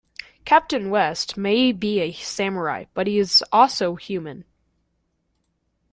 Captain West may be a Samurai, but he is also human.